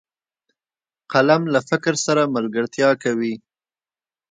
قلم له فکر سره ملګرتیا کوي